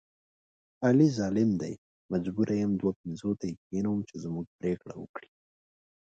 علي ظالم دی مجبوره یم دوه پنځوته یې کېنوم چې زموږ پرېکړه وکړي.